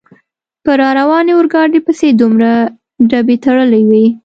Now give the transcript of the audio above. په را روانې اورګاډي پسې دومره ډبې تړلې وې.